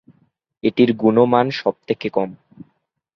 এটির গুণমান সব থেকে কম।